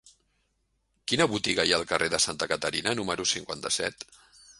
Quina botiga hi ha al carrer de Santa Caterina número cinquanta-set?